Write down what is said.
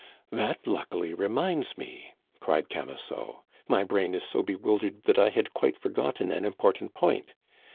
"That luckily reminds me!" cried Camusot. "My brain is so bewildered that I had quite forgotten an important point.